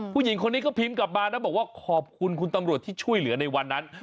ผู้หญิงคนนี้ก็พิมพ์กลับมานะบอกว่าขอบคุณคุณตำรวจที่ช่วยเหลือในวันนั้น